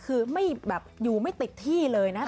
คืออยู่ไม่ติดที่เลยนะครับ